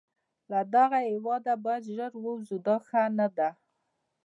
له دغه هیواده باید ژر ووزو، دا ښه نه ده.